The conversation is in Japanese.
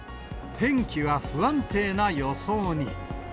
天気は不安定な予想に。